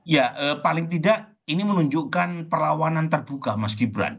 ya paling tidak ini menunjukkan perlawanan terbuka mas gibran